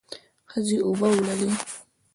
ښځې اوبه وړلې.